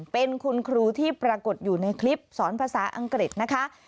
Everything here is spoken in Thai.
เป็นคุณครูที่ปรากฏอยู่ในคลิปสอนภาษาอังกฤษนะคะ